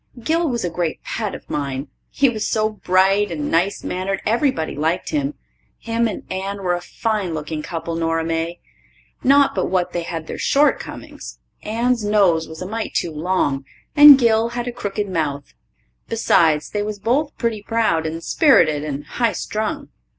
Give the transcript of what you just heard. Gil was a great pet of mine. He was so bright and nice mannered everybody liked him. Him and Anne were a fine looking couple, Nora May. Not but what they had their shortcomings. Anne's nose was a mite too long and Gil had a crooked mouth. Besides, they was both pretty proud and sperrited and high strung.